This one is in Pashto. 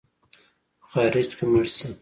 په خارج کې مړ سې.